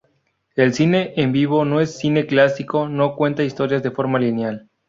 El cine en vivo no es cine clásico, no cuenta historias de forma lineal.